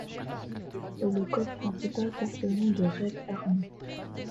Le kop principal porte le nom de Reds Army.